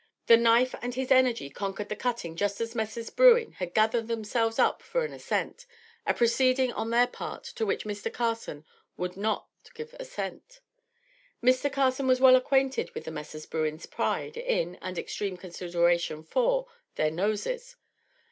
The knife and his energy conquered the cutting just as Messrs. Bruin had gathered themselves up for an ascent, a proceeding on their part to which Mr. Carson would not give assent. Mr. Carson was well acquainted with the Messrs. Bruin's pride in, and extreme consideration for, their noses.